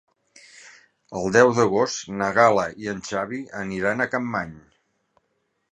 El deu d'agost na Gal·la i en Xavi aniran a Capmany.